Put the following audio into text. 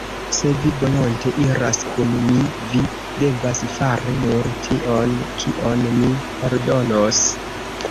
Se vi volonte iras kun mi, vi devas fari nur tion, kion mi ordonos.